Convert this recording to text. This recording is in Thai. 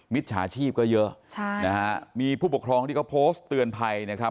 จฉาชีพก็เยอะใช่นะฮะมีผู้ปกครองที่เขาโพสต์เตือนภัยนะครับ